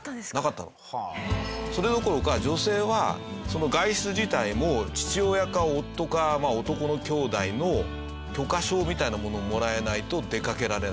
それどころか女性は外出自体も父親か夫か男の兄弟の許可証みたいなものをもらえないと出かけられない。